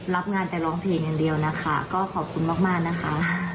รับงานแต่ร้องเพลงอย่างเดียวนะคะก็ขอบคุณมากนะคะ